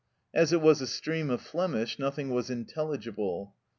As it was a stream of Flemish, nothing was intelligible.